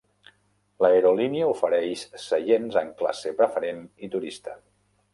L'aerolínia ofereix seients en classe preferent i turista.